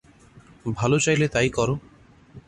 ভালো চাইলে তাই করো।